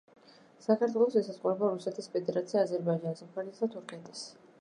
საქართველოს ესაზღვრება რუსეთის ფედერაცია აზერბაიჯანი სომხეთი და თურქეთი